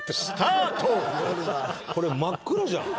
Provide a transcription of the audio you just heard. これ真っ暗じゃん。